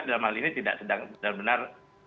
dalam hal ini tidak sedang benar benar